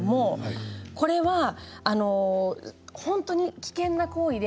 これは本当に危険な行為で